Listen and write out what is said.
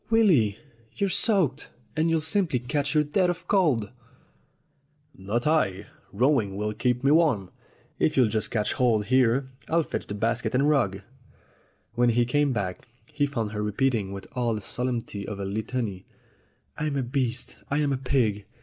"Willy! You're soaked, and you'll simply catch your death of cold." LOVERS ON AN ISLAND 265 "Not I. Rowing will keep me warm. If you'll just catch hold here, I'll fetch the basket and rug." When he came back he found her repeating with all the solemnity of a Litany: "I'm a beast. I am a pig.